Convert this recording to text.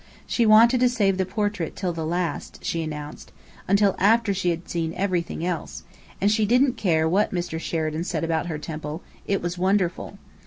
She wanted to save the portrait till the last, she announced, until after she had seen everything else: and she didn't care what Mr. Sheridan said about her temple; it was wonderful.